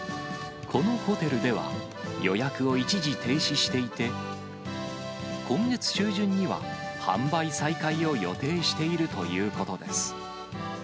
このホテルでは、予約を一時停止していて、今月中旬には販売再開を予定しているということです。